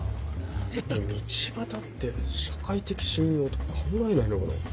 でも道端って社会的信用とか考えないのかな？